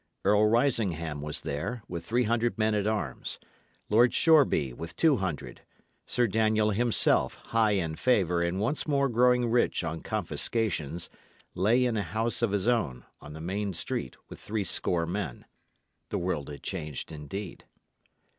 Earl Risingham was there, with three hundred men at arms; Lord Shoreby, with two hundred; Sir Daniel himself, high in favour and once more growing rich on confiscations, lay in a house of his own, on the main street, with three score men. The world had changed indeed.